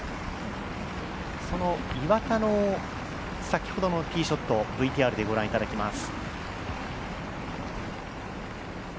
その岩田の先ほどのティーショットＶＴＲでご覧いただきます。